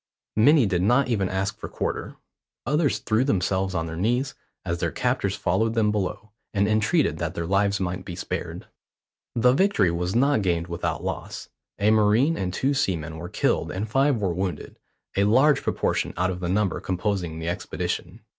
Many did not even ask for quarter. Others threw themselves on their knees, as their captors followed them below, and entreated that their lives might be spared. The victory was not gained without loss. A marine and two seamen were killed and five were wounded, a large proportion out of the number composing the expedition.